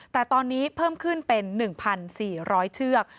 แต่ตอนนี้เพิ่มขึ้นเป็น๑๔๐๐เชือก